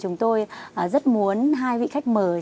chúng tôi rất muốn hai vị khách mời